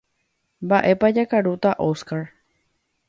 Mba'e jakarúta Óscar.